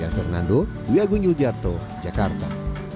saya fernando duyagun yuljarto jakarta